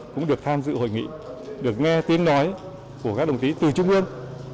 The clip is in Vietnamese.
cũng được tham dự hội nghị được nghe tiếng nói của các đồng chí từ trung ương